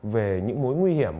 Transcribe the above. về những mối nguy hiểm